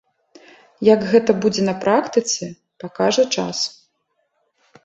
Як гэта будзе на практыцы, пакажа час.